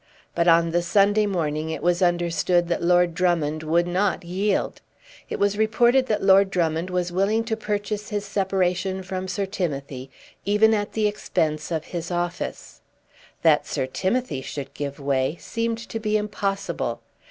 But on the Sunday morning it was understood that Lord Drummond would not yield. It was reported that Lord Drummond was willing to purchase his separation from Sir Timothy even at the expense of his office. That Sir Timothy should give way seemed to be impossible.